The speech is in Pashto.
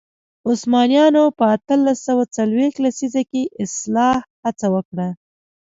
عثمانیانو په اتلس سوه څلوېښت لسیزه کې اصلاح هڅه وکړه.